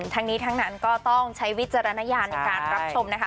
ทั้งนี้ทั้งนั้นก็ต้องใช้วิจารณญาณในการรับชมนะคะ